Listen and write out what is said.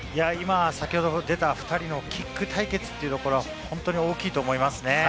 先ほど出た２人のキック対決は本当に大きいと思いますね。